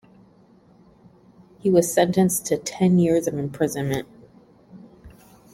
He was sentenced to ten years of imprisonment.